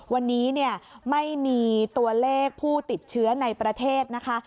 วันนี้ไม่มีตัวเลขผู้ติดเชื้อในประเทศนะคะ